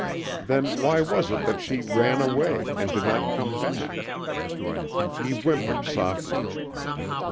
Then why was it that she ran away, and did not come back? He whimpered softly.